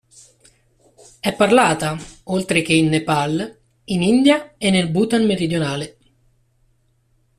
È parlata, oltre che in Nepal, in India e nel Bhutan meridionale.